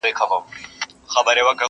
ته رانغلې پر دې لاره ستا قولونه ښخومه!.